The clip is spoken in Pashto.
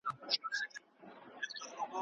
کمپيوټر د تعليمي پروژو بشپړول اسانه او ګړندي کوي.